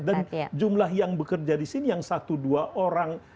jumlah yang bekerja di sini yang satu dua orang